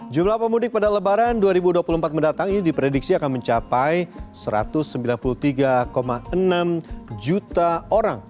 jumlah pemudik pada lebaran dua ribu dua puluh empat mendatangi di prediksi akan mencapai satu ratus sembilan puluh tiga enam juta orang